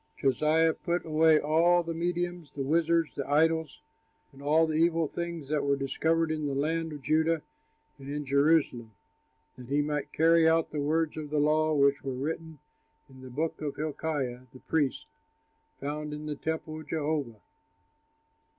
Josiah put away all the mediums, the wizards, the idols and all the evil things that were discovered in the land of Judah and in Jerusalem, that he might carry out the words of the law which were written in the book that Hilkiah, the priest, found in the temple of Jehovah.